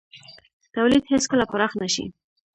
تولید هېڅکله پراخ نه شي.